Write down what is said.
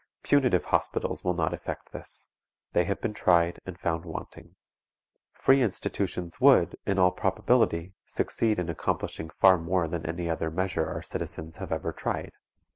Punitive hospitals will not effect this; they have been tried and found wanting. Free institutions would, in all probability, succeed in accomplishing far more than any other measure our citizens have ever tried.